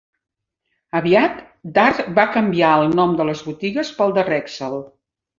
Aviat, Dart va canviar el nom de les botigues pel de Rexall.